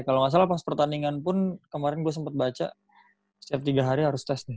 kalo nggak salah pas pertandingan pun kemaren gue sempet baca setiap tiga hari harus tes nih